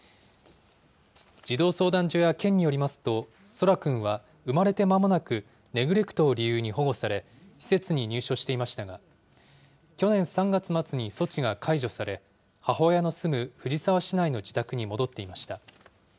児童相談所や県によりますと、空来くんは、生まれて間もなくネグレクトを理由に保護され、施設に入所していましたが、去年３月末に措置が解除され、母親の住む藤沢市内の自宅に戻っていました。